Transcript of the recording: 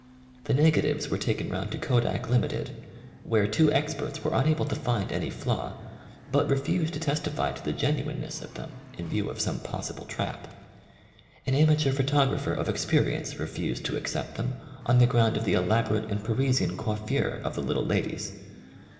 The negatives were taken round to Kodak, Ltd., where two experts were unable to find any flaw, but refused to testify to the genuineness of them, in view of some pos sible trap. An amateur photographer of ex perience refused to accept them on the ground of the elaborate and Parisian coif fure of the little ladies.